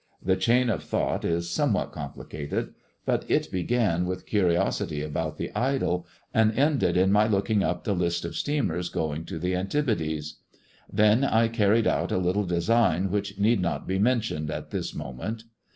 The chain of thought is somewhat complicated, but it began with curiosity about the idol, and ended in my looking up the list of steamers going to the Antipodes. Then I carried out a little design which need not be mentioned at this moment.